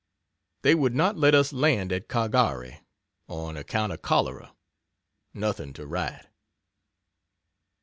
They would not let us land at Caghari on account of cholera. Nothing to write.